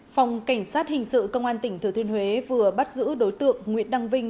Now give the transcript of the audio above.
phòng cảnh sát hình sự công an tỉnh thừa thuyên huế vừa bắt giữ đối tượng nguyễn đăng vinh